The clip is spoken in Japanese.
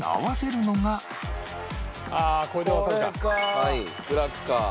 はいクラッカー。